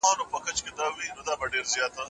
حساب مې له مالي مدیر سره شریک کړ.